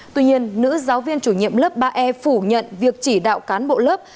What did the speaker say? tuy nhiên nữ giáo viên chủ nhiệm lớp ba e phủ nhận việc chỉ đạo cán bộ lớp